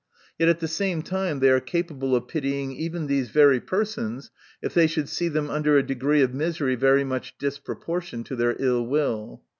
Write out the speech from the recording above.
Yet at the same tiiae they are capable of pitying even these very persons, if they should see them under a degree of misery very much disproportioned to their ill will.